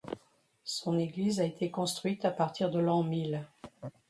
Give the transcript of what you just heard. Son église a été construite à partir de l'an mil.